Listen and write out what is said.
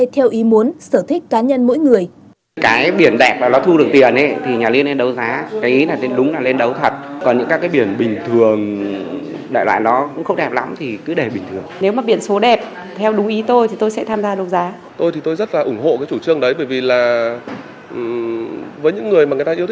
theo ý muốn sở thích cá nhân mỗi người